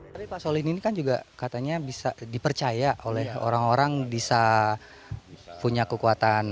tapi pak solin ini kan juga katanya bisa dipercaya oleh orang orang bisa punya kekuatan